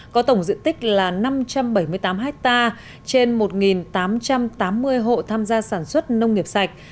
có tổng diện tích là năm trăm bảy mươi tám hectare trên một tám trăm tám mươi hộ tham gia sản xuất nông nghiệp sạch